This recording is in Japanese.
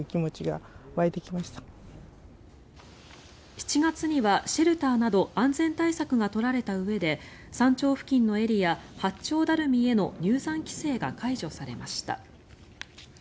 ７月にはシェルターなど安全対策が取られたうえで山頂付近のエリア八丁ダルミへの入山規制が解除されました。